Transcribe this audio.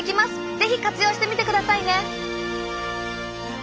是非活用してみてくださいね！